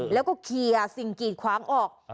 แล้วก็เคลียร์สิ่งกีดขวางออก